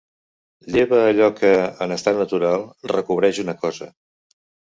Lleva allò que, en l'estat natural, recobreix una cosa.